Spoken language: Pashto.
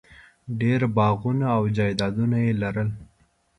ډېر باغونه او جایدادونه یې لرل.